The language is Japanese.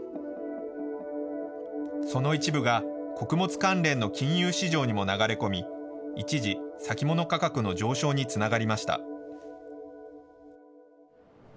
その一部が穀物関連の金融市場にも流れ込み、一時、先物価格の上昇につながりました。